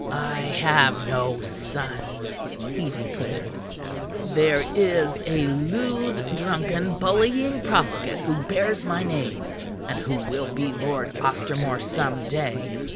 "I have no son," he declared, "there is a lewd, drunken, bullying profligate who bears my name, and who will be Lord Ostermore some day.